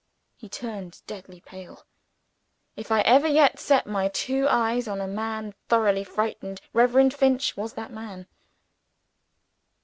He turned deadly pale. If I ever yet set my two eyes on a man thoroughly frightened, Reverend Finch was that man.